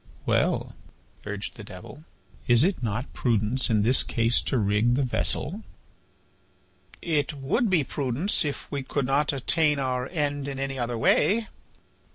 "Well," urged the Devil, "is it not prudence in this case to rig the vessel?" "It would be prudence if we could not attain our end in any other way."